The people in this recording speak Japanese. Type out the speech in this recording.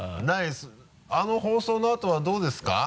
あの放送のあとはどうですか？